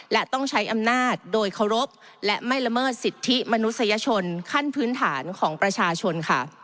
และต้องใช้อำนาจโดยเคารพและไม่ละเมิดสิทธิมนุษยชนขั้นพื้นฐานของประชาชนค่ะ